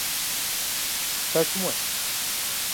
¿Sabes como é?